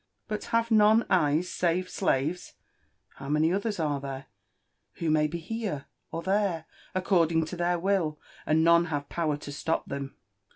— But have none eyes save slaves ?— Qow many others arc there, • wlio may be here, or there, according lo tjieic will, and none have |)ower to stop them